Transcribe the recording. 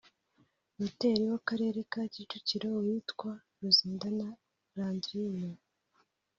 noteri w’akarere ka Kicukiro witwa Ruzindana Landrine